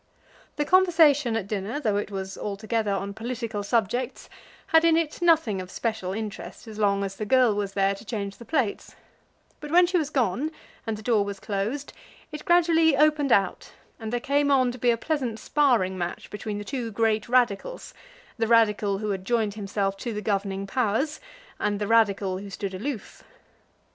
The conversation at dinner, though it was altogether on political subjects, had in it nothing of special interest as long as the girl was there to change the plates; but when she was gone, and the door was closed, it gradually opened out, and there came on to be a pleasant sparring match between the two great Radicals, the Radical who had joined himself to the governing powers, and the Radical who stood aloof.